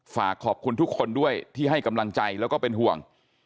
ฝากขอบคุณทุกคนด้วยที่ให้กำลังใจแล้วก็เป็นห่วง